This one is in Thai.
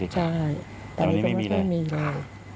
ใช่แต่วันนี้ก็ไม่มีเลยแต่วันนี้ก็ไม่มีเลย